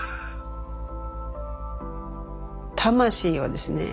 魂をですね